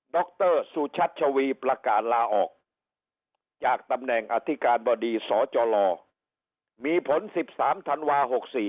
รสุชัชวีประกาศลาออกจากตำแหน่งอธิการบดีสจมีผล๑๓ธันวา๖๔